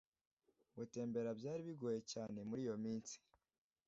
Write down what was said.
gutembera byari bigoye cyane muri iyo minsi